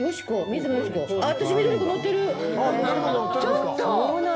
ちょっと！